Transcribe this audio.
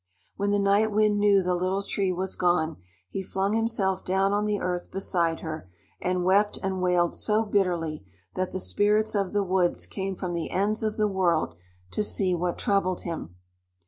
When the Night Wind knew the Little Tree was gone, he flung himself down on the earth beside her, and wept and wailed so bitterly that the Spirits of the Woods came from the ends of the world to see what troubled him.